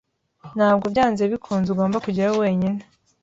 Ntabwo byanze bikunze ugomba kujyayo wenyine.